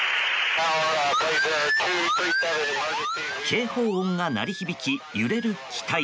警報音が鳴り響き、揺れる機体。